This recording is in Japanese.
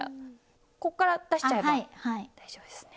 こっから出しちゃえば大丈夫ですね？